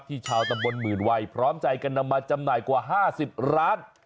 ที่ชาวตำบลหมื่นวัยพร้อมจ่ายกันมาจำหน่ายกว่า๕๐ล้าน